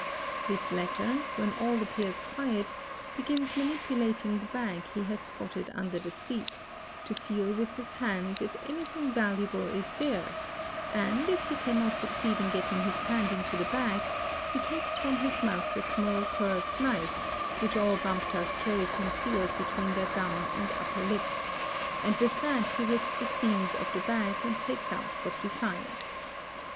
This latter, — when all appears quiet, begins manipulating the bag he has spotted under | the seat, to feel with his hands if anything valuable is there, and if he can | not succeed in getting his hand into the bag, he takes from his mouth a | small curved knife, which all Bhamptas carry concealed between their gun | and upper lip, and with that he rips the seams of the bag and takes ou what he finds.